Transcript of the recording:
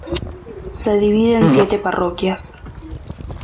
Se divide en siete parroquias.